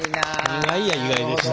意外や意外でした。